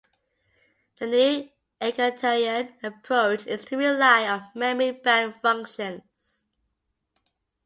The new egalitarian approach is to rely on memory bound functions.